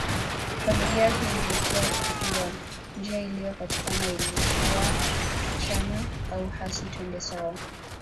Familia hii ili kujua njia iliyopatikana ilikuwa chanya au hasi twende sawa